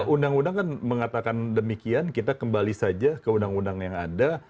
undang undang kan mengatakan demikian kita kembali saja ke undang undang yang ada